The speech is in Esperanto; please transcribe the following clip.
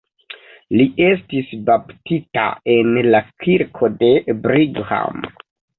Li estis baptita en la kirko de Brigham.